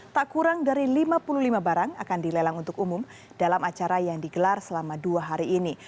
tak kurang dari lima puluh lima barang akan dilelang untuk umum dalam acara yang digelar selama dua hari ini